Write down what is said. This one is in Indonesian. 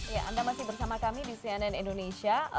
ya anda masih bersama kami di cnn indonesia